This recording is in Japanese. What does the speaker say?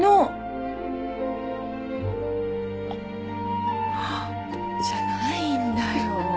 「あっ」じゃないんだよ。